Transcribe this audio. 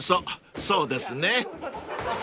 ［そそうですね］